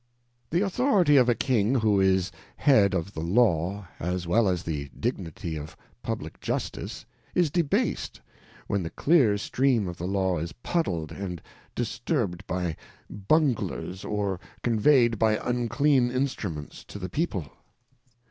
„' Ea The \\\ 52 Th^ Character The Authority of a King who is Head of^the Law, as well as the Dignity of Publick Justice, is debased, when the clear stream of the Law is puddled and disturbed by Bunglers, or conveyed by unclean Instruments to the People.